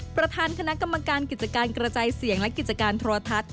ประธานคณะกรรมการกิจการกระจายเสียงและกิจการโทรทัศน์